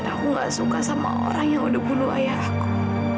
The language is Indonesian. dan aku gak suka sama orang yang udah bunuh ayahku